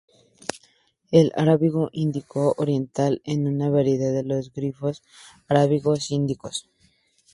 El "Arábigo-Índico oriental" es una variedad de los glifos arábigo-índicos.